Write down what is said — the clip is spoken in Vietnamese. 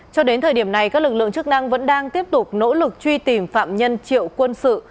cho đến thời điểm này các lực lượng chức năng vẫn đang tiếp tục nỗ lực truy tìm phạm nhân triệu quân sự